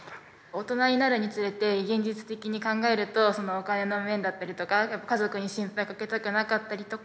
大人になるにつれて現実的に考えるとお金の面だったりとか家族に心配かけたくなかったりとか。